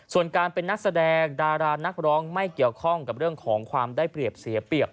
ส่วนการเป็นนักแสดงดารานักร้องไม่เกี่ยวข้องกับเรื่องของความได้เปรียบเสียเปรียบ